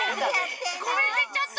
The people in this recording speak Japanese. ごめんでちゃった。